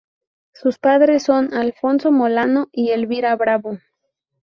Sus padres son Alfonso Molano y Elvira Bravo.